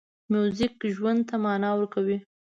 موزیک ژوند ته مانا ورکوي.